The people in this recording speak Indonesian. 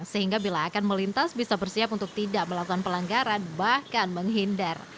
sehingga bila akan melintas bisa bersiap untuk tidak melakukan pelanggaran bahkan menghindar